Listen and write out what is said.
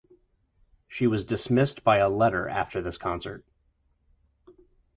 She was dismissed by a letter after this concert.